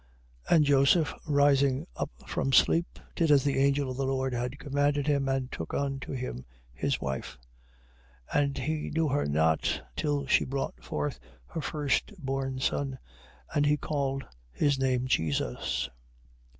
1:24. And Joseph rising up from sleep, did as the angel of the Lord had commanded him, and took unto him his wife. 1:25. And he knew her not till she brought forth her first born son: and he called his name Jesus.